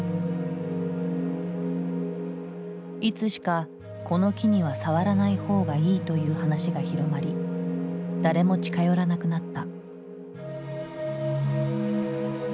いつしかこの木には触らないほうがいいという話が広まり誰も近寄らなくなった。